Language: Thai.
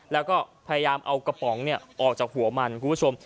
แล้วก็พยายามเอากระป๋องออกจากหัวมันคุณผู้ชม